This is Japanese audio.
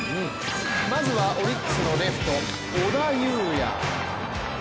まずはオリックスのレフト、小田裕也。